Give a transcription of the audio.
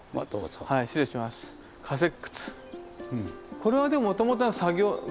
これはでももともとは作業小屋。